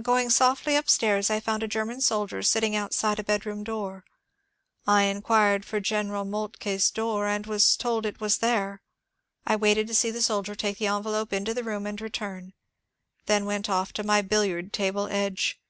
Going softly upstairs I found a German soldier sitting out side a bedroom door. 1 inquired for General Moltke's door, and was told it was there. I waited to see the soldier take the envelope into the room and return, then went off to my billiard table edge.